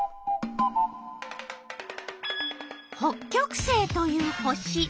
北極星という星。